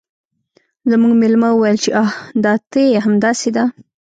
زموږ میلمه وویل چې آه دا ته یې همداسې ده